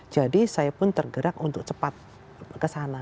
jadi saya pun tergerak untuk cepat kesana